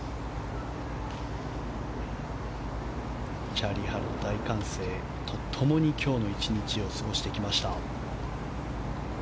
チャーリー・ハルは大歓声と共に今日の１日を過ごしてきました。